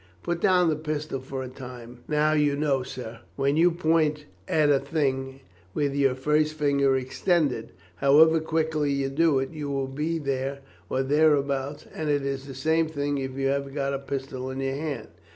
Put down the pistol for a time. Now you know, sir, when you point at a thing with your first finger extended, however quickly you do it, you will be there or thereabout, and it is the same thing if you have got a pistol in your hand.